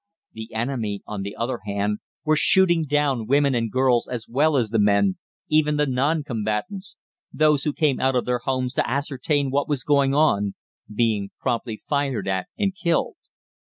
The enemy, on the other hand, were shooting down women and girls as well as the men, even the non combatants those who came out of their homes to ascertain what was going on being promptly fired at and killed.